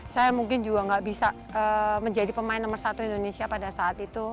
saya mungkin juga nggak bisa menjadi pemain nomor satu indonesia pada saat itu